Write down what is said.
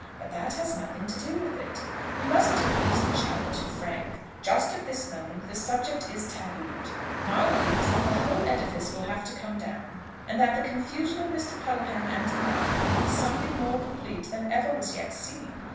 But that has nothing to do with it. You mustn't abuse the chapel to Frank; just at this moment the subject is tabooed. My belief is that the whole edifice will have to come down, and that the confusion of Mr. Puddleham and the Marquis will be something more complete than ever was yet seen.